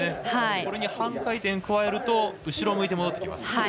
これに半回転加えると後ろを向いて戻ってきます。